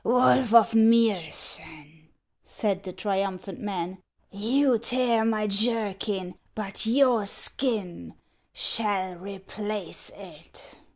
" Wolf of Miosen," said the triumphant man, "you tear my jerkin, but your skin shall replace it."